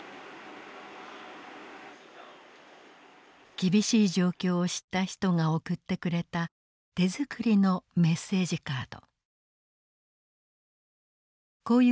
厳しい状況を知った人が送ってくれた手作りのメッセージカード。